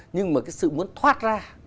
nhưng mà cái sự muốn thoát ra